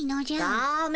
ダメ。